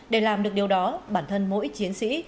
để làm được điều đó bản thân mỗi chiến sĩ